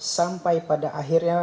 sampai pada akhirnya